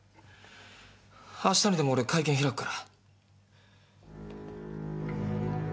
明日にでも俺会見開くから。